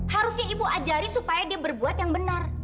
harusnya ibu ajari supaya dia berbuat yang benar